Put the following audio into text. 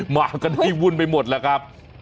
มากันให้วุ่นไปหมดแล้วครับ